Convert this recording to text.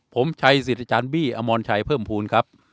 ผมชัยสิริจาณบิ๋อัมวลชัยเพิ่มพูนครับ